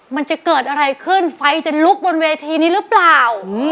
มันจะเกิดอะไรขึ้นไฟจะลุกบนเวทีนี้หรือเปล่า